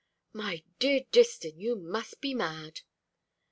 "My dear Distin, you must be mad."